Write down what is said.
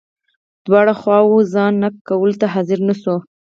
دواړو خواوو ځان نقد کولو ته حاضره نه شوه.